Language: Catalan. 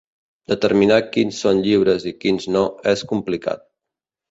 Determinar quins són lliures i quins no és complicat.